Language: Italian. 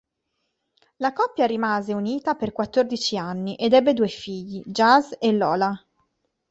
La coppia rimase unita per quattordici anni ed ebbe due figli, Jazz e Lola.